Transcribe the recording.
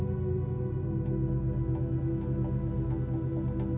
karena udaranya nan sejuk berkah dari pegunungan ikonis di jawa timur